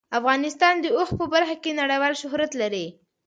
افغانستان د اوښ په برخه کې نړیوال شهرت لري.